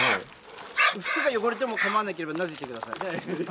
手が汚れてもかまわなければ、なでてください。